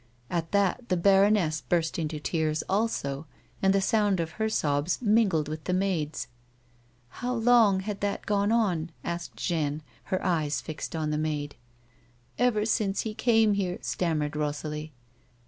At that the baroness burst into tears also, and the sound of her sobs mingled with the maid's. "How long had that gone on?" asked Jeanne, her eyes fixed on the maid. A WOMAN'S LIFE. 115 " Ever since he came here," stammered Rosalie.